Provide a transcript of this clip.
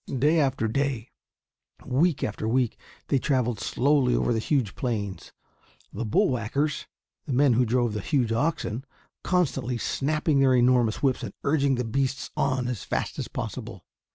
Day after day, week after week, they traveled slowly over the huge plains, the "bull whackers" the men who drove the huge oxen constantly snapping their enormous whips and urging the beasts on as fast as possible.